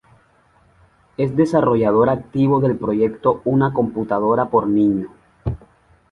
Es desarrollador activo del proyecto Una Computadora por Niño.